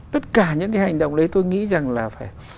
tất cả những cái hành động đấy tôi nghĩ rằng là phải